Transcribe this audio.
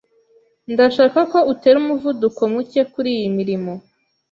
Ndashaka ko utera umuvuduko muke kuriyi mirimo.